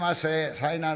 「さいなら」。